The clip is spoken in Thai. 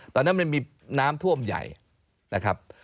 ตอนนั้นมันมีน้ำท่วมใหญ่นะครับ